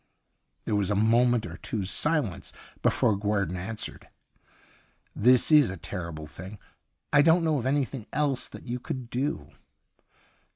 There was a moment or two's silence before Guerdon answered. 'This is a terrible thing. I don't know of anything else that you could do.